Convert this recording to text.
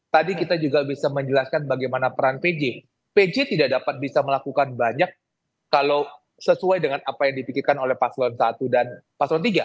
tadi kita juga bisa menjelaskan bagaimana peran pj pj tidak dapat bisa melakukan banyak kalau sesuai dengan apa yang dipikirkan oleh paslon satu dan paslon tiga